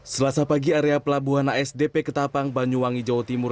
selasa pagi area pelabuhan asdp ketapang banyuwangi jawa timur